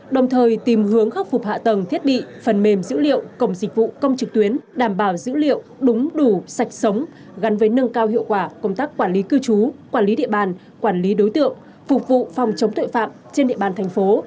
đồng thời tìm hướng khắc phục hạ tầng thiết bị phần mềm dữ liệu cổng dịch vụ công trực tuyến đảm bảo dữ liệu đúng đủ sạch sống gắn với nâng cao hiệu quả công tác quản lý cư trú quản lý địa bàn quản lý đối tượng phục vụ phòng chống tội phạm trên địa bàn thành phố